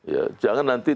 ya jangan nanti